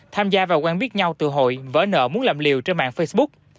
tham gia vào quan viết nhau từ hội vỡ nợ muốn làm liều trên mạng facebook